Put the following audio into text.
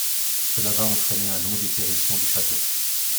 Cela va entraîner un long dépérissement du château.